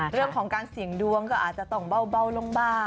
เรื่องของการเสี่ยงดวงก็อาจจะต้องเบาลงบ้าง